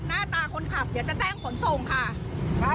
นี่นะคะหน้าตาคนขับเดี๋ยวจะแจ้งผลส่งค่ะ